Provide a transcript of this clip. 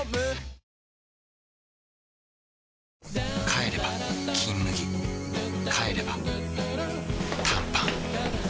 帰れば「金麦」帰れば短パン